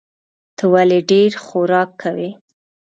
ته ولي ډېر خوراک کوې؟